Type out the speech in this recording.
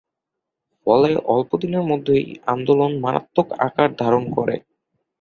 ফলে অল্পদিনের মধ্যেই আন্দোলন মারাত্মক আকার ধারণ করে।